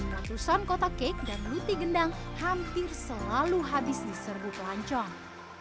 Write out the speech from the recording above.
ratusan kotak kek dan luti gendang hampir selalu habis di serbu pelancong